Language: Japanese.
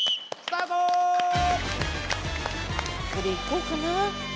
これでいこうかな。